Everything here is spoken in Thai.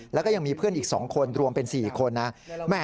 แล้วก็ยังมีเพื่อนอีก๒คนรวมเป็น๔คนนะ